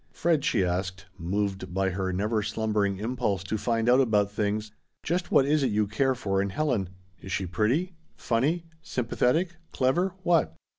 "Fred," she asked, moved by her never slumbering impulse to find out about things, "just what is it you care for in Helen? Is she pretty? Funny? Sympathetic? Clever? What?"